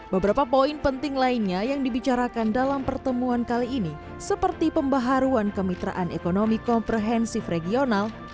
beberapa poin penting lainnya yang dibicarakan dalam pertemuan kali ini seperti pembaharuan kemitraan ekonomi komprehensif regional